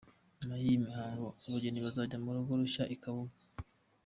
Nyuma y’iyi mihango abageni bazajya mu rugo rushya i Kabuga.